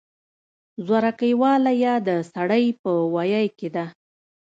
زورکۍ واله يا د سړۍ په ویي کې ده